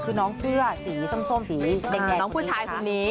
คือน้องเสื้อสีส้มสีแดงน้องผู้ชายคนนี้